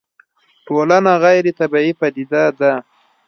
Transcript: ټولنه غيري طبيعي پديده ده